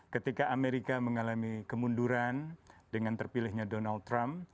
ketika amerika mengalami kemunduran dengan terpilihnya donald trump